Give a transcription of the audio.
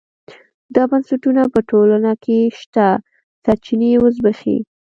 دا بنسټونه په ټولنه کې شته سرچینې وزبېښي.